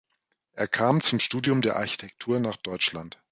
Er kam zum Studium der Architektur nach Deutschland.